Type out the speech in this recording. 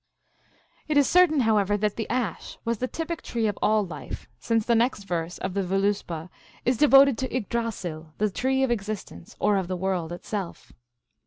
It is certain, however, that the ash was the typic tree of all life, since the next verse of the Voluspa is devoted to Yggdrasil, the tree of existence, or of the world itself.